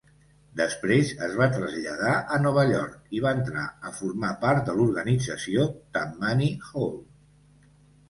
Després es va traslladar a Nova York i va entrar a formar part de l'organització Tammany Hall.